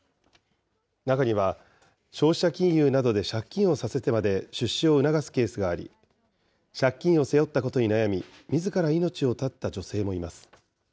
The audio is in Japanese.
中には消費者金融などで借金をさせてまで出資を促すケースがあり、借金を背負ったことに悩み、みずから命を絶った女性もいます。